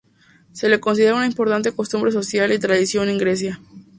Se le considera una importante costumbre social y tradición en Grecia.